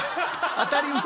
当たり前？